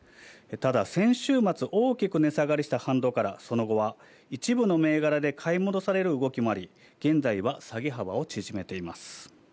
ただ、先週末、大きく値下がりした反動から、その後は一部の銘柄で買い戻される動きもあり、現在は下げ幅を縮めています。